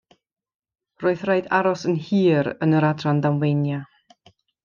Roedd rhaid aros yn hir yn yr Adran Ddamweiniau.